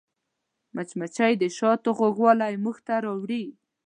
مچمچۍ د شاتو خوږوالی موږ ته راوړي